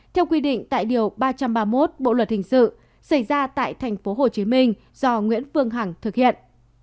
theo quy định tại điều ba trăm ba mươi một bộ luật hình sự xảy ra tại tp hcm do nguyễn phương hằng thực hiện